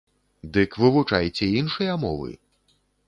Дык вывучайце іншыя мовы!